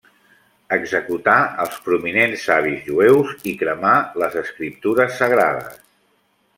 Executar els prominents savis jueus i cremar les escriptures sagrades.